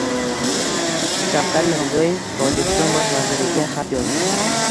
Shavkat Mirziyoyev Tojikiston bosh vaziriga xat yozdi